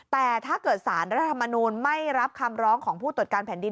แต่ถ้าเกิดสารรัฐธรรมนูลไม่รับคำร้องของผู้ตรวจการแผ่นดิน